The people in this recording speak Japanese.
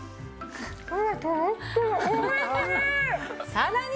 さらに！